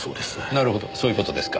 なるほどそういう事ですか。